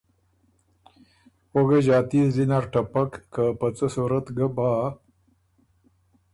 او ګۀ ݫاتی زلی نر ټپک، که په څۀ صورت ګۀ بۀ۔